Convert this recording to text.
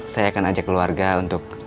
saya akan ajak keluarga untuk